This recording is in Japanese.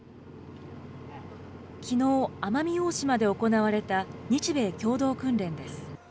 きのう、奄美大島で行われた日米共同訓練です。